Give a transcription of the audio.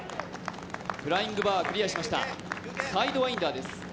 フライングバー、クリアしました、サイドワインダーです。